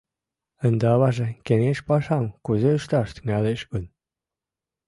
Ынде аваже кеҥеж пашам кузе ышташ тӱҥалеш гын?